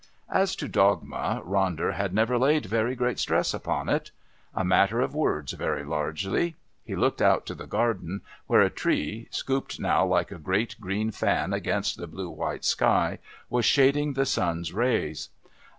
As to dogma, Ronder had never laid very great stress upon it. A matter of words very largely. He looked out to the garden, where a tree, scooped now like a great green fan against the blue white sky, was shading the sun's rays.